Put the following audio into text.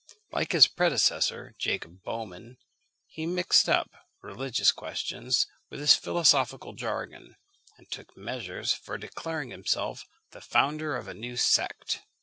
Like his predecessor, Jacob Böhmen, he mixed up religious questions with his philosophical jargon, and took measures for declaring himself the founder of a new sect.